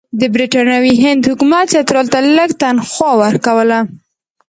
د برټانوي هند حکومت چترال ته لږه تنخوا ورکوله.